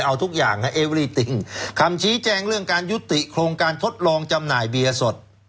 เอาทุกอย่างให้เอเวอรี่ติ้งคำชี้แจงเรื่องการยุติโครงการทดลองจำหน่ายเบียร์สด